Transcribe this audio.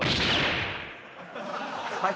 はい？